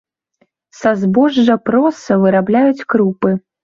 Са збожжа проса вырабляюць крупы.